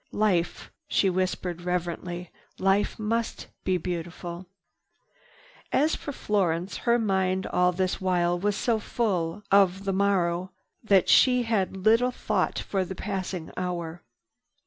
Life," she whispered reverently, "Life must be beautiful." As for Florence, her mind all this while was so full of the morrow that she had little thought for the passing hour.